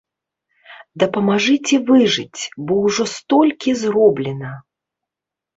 Дапамажыце выжыць, бо ўжо столькі зроблена!